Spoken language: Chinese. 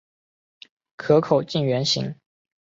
壳口近圆形。